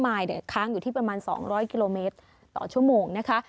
มายเนี่ยค้างอยู่ที่ประมาณ๒๐๐กิโลเมตรต่อชั่วโมงนะคะ